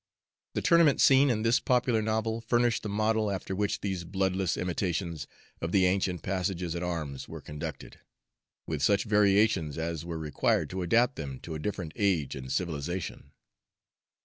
The tournament scene in this popular novel furnished the model after which these bloodless imitations of the ancient passages at arms were conducted, with such variations as were required to adapt them to a different age and civilization.